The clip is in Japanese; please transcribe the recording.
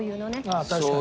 ああ確かにね。